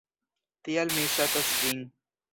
Tial mi ŝatas ĝin.